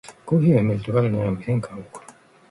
コーヒーをやめると体に起こる変化がおこる